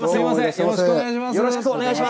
よろしくお願いします。